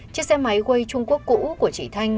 chiếc xe máy way trung quốc cũ của chị thanh